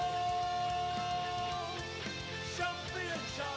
มีความรู้สึกว่า